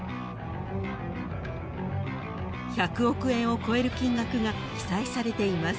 ［１００億円を超える金額が記載されています］